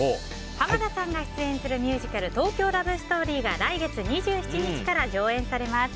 濱田さんが出演するミュージカル「東京ラブストーリー」が来月２７日から上演されます。